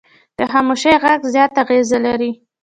د خاموشي غږ زیات اغېز لري